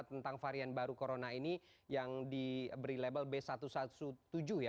tentang varian baru corona ini yang diberi label b satu satu tujuh ya